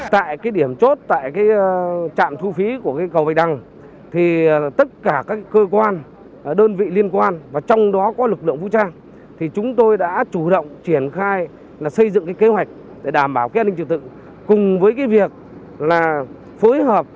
tại điểm chốt tại trạm thu phí của cầu vài đăng tất cả các cơ quan đơn vị liên quan và trong đó có lực lượng vũ trang chúng tôi đã chủ động triển khai xây dựng kế hoạch để đảm bảo an ninh trực tự